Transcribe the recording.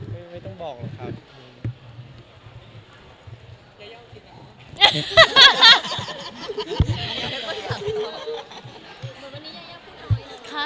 วันนั้นพูดไปเยอะแล้วค่ะ